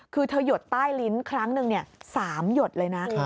คือเธอหยดใต้ลิ้นครั้งหนึ่ง๓หยดเลยนะ